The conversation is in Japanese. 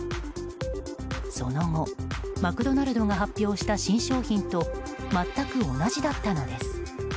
その後、マクドナルドが発表した新商品と全く同じだったのです。